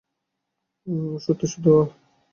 আর সত্যিই, শুধু, আহ!